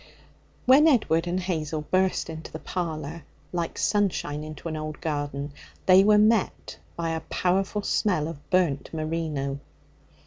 When Edward and Hazel burst into the parlour, like sunshine into an old garden, they were met by a powerful smell of burnt merino.